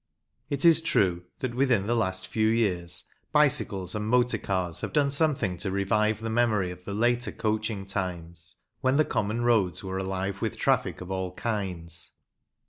It is true that within the last few years bicycles and motor cars have done something to revive the memory of the later coaching times, when the common roads were alive with traffic of all kinds.